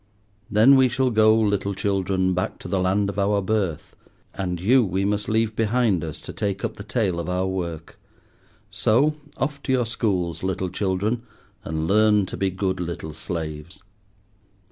Then we shall go, little children, back to the land of our birth. And you we must leave behind us to take up the tale of our work. So, off to your schools, little children, and learn to be good little slaves.